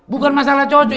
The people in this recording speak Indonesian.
bukan masalah cocok